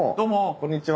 こんにちは。